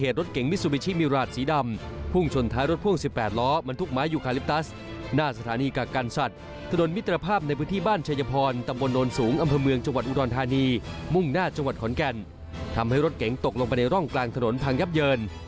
ตกลงไปในร่องกลางถนนพังยับเยิน